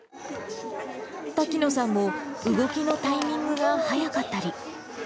滝野さんも動きのタイミングが早かったり。